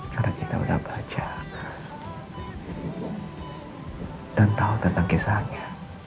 karena kita udah baca dan tahu tentang kisahnya